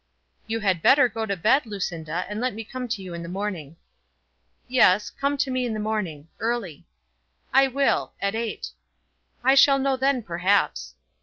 "You had better go to bed, Lucinda, and let me come to you in the morning." "Yes; come to me in the morning; early." "I will, at eight." "I shall know then, perhaps."